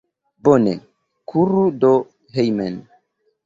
Bone, kuru do hejmen.